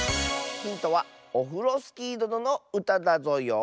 ヒントはオフロスキーどののうただぞよ。